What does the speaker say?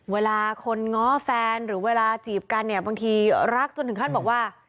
เวลาคนง้อแฟนหรือเวลาจีบกันเนี่ยบางทีรักจนถึงขั้นบอกว่า